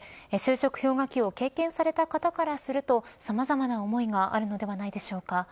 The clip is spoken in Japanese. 就職氷河期を経験された方からするとさまざまな思いがあるのではないでしょうか。